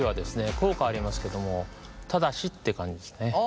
効果ありますけどもただしって感じですね。